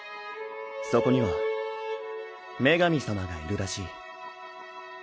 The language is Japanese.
そこには女神様がいるらしい。